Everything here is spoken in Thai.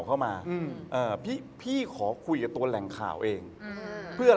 เขาโทรเลยเหรอ